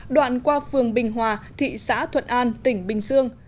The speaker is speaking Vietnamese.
đoạn qua phường bình hòa thị xã thuận an tỉnh bình dương